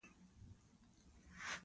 خو نور دلته مه راځئ.